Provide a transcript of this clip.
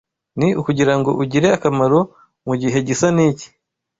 ni ukugira ngo ugire akamaro mu gihe gisa n’iki?”